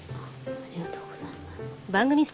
ありがとうございます。